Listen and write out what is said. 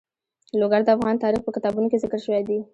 لوگر د افغان تاریخ په کتابونو کې ذکر شوی دي.